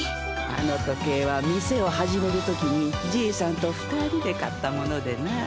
あの時計は店を始めるときにじいさんと二人で買ったものでな。